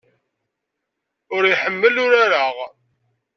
Ur iḥemmel urar-a.